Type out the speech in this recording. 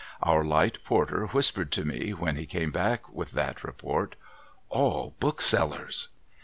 Our light porter whispered to me, when he came back with that report, ' All booksellers.'